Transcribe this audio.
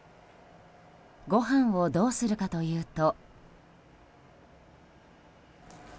ご飯をどうするかというと。